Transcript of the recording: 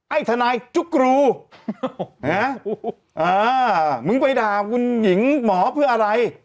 ไอ้ทนายจุ๊กรูมึงไปด่าคุณหญิงหมอเพื่ออะไร